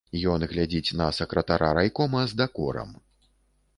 Ён глядзіць на сакратара райкома з дакорам.